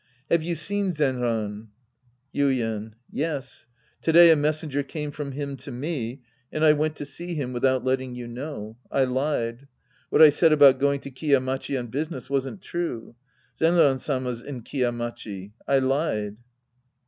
Have you seen Zenran ? Yuien. Yes. To day a messenger came from him to me, and I went to see him without letting you know. I lied. What I said about going to Kiya Machi on business wasn't true. Zenran Sama's in Kiya Machi. I lied.